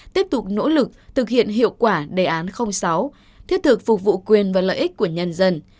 tiếp tục nỗ lực thực hiện hiệu quả đề án sáu thiết thực phục vụ quyền và lợi ích của nhân dân